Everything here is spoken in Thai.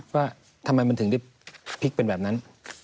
ว่าทำไมมันถึงได้พลิกเป็นแบบนั้น